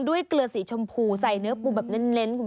ด้วยเกลือสีชมพูใส่เนื้อปูแบบเน้น